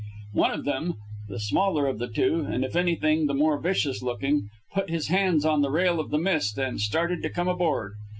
One of them, the smaller of the two, and if anything the more vicious looking, put his hands on the rail of the Mist and started to come aboard.